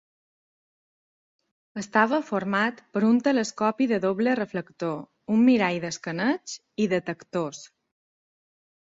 Estava format per un telescopi de doble reflector, un mirall d'escaneig i detectors.